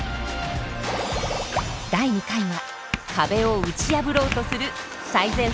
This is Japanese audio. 第２回は壁を打ち破ろうとする最前線です。